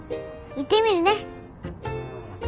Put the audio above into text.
行ってみるね。